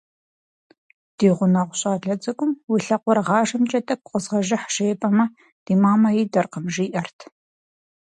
Ди гъунэгъу щӏалэ цӏыкӏум «уи лъакъуэрыгъажэмкӏэ тӏэкӏу къэзгъэжыхь» жепӏэмэ, «ди мамэ идэркъым» жиӏэрт.